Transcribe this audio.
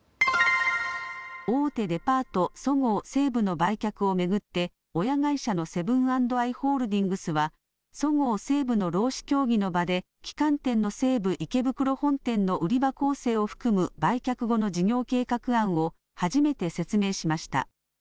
大手デパートそごう・西武の売却を巡って親会社のセブン＆アイ・ホールディングスはそごう・西武の労使協議の場で旗艦店の西武池袋本店の売り場構成を含む売却後の事業計画案を初めて説明しました。